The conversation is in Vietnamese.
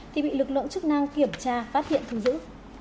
thì bị lực lượng chức năng kiểm tra phát hiện thường dữ